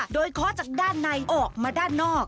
โดยเคาะจากด้านในออกมาด้านนอก